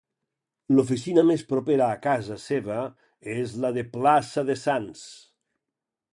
L'oficina més propera a casa seva és la de plaça de Sants.